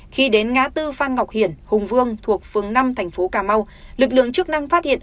khi đến ngã tư phan ngọc hiển hùng vương thuộc phường năm thành phố cà mau lực lượng chức năng phát hiện